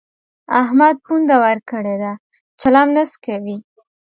احمد پونده ورکړې ده؛ چلم نه څکوي.